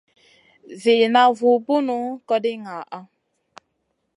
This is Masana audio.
Ziina vu Bun kogndi ngaana.